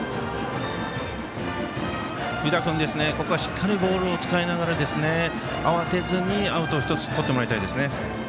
湯田君、ここはしっかりボールを使いながら慌てずに、アウトを１つとってもらいたいですね。